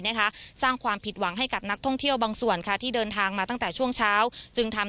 นะคะสร้างความผิดหวังให้กับนักท่องเที่ยวบางส่วนค่ะที่เดินทางมาตั้งแต่ช่วงเช้าจึงทำ